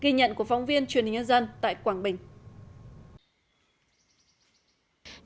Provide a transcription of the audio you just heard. ghi nhận của phóng viên truyền hình nhân dân tại quảng bình